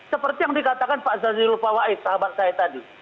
seperti yang dikatakan pak zazie lepawait sahabat saya tadi